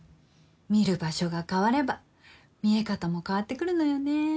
見る場所が変われば見え方も変わってくるのよね。